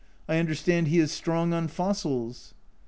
I understand he is strong on fossils."